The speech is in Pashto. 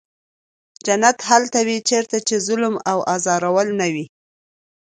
جنت هلته وي چېرته چې ظلم او ازارول نه وي.